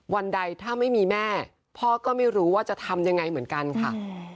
วันใดถ้าไม่มีแม่พ่อก็ไม่รู้ว่าจะทำยังไงเหมือนกันค่ะ